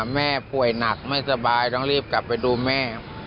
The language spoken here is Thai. แม่ป่วยหนักไม่สบายต้องรีบกลับไปดูแม่